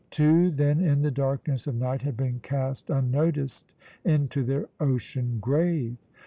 Two, then, in the darkness of night had been cast unnoticed into their ocean grave.